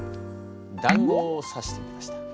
だんごをさしてみました。